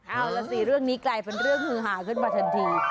เอาล่ะสิเรื่องนี้กลายเป็นเรื่องฮือหาขึ้นมาทันที